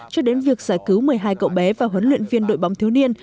cho đến việc giải cứu một mươi hai cậu bé và huấn luyện viên đội bóng thiếu niên